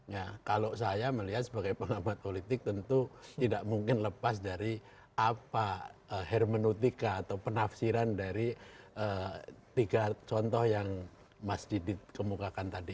ya kalau saya melihat sebagai pengamat politik tentu tidak mungkin lepas dari apa hermenotika atau penafsiran dari tiga contoh yang mas didit kemukakan tadi